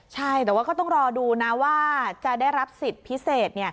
ใช่แต่ว่าก็ต้องรอดูนะว่าจะได้รับสิทธิ์พิเศษ